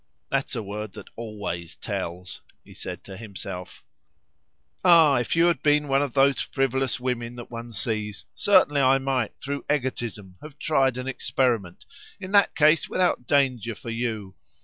"That's a word that always tells," he said to himself. "Ah, if you had been one of those frivolous women that one sees, certainly I might, through egotism, have tried an experiment, in that case without danger for you.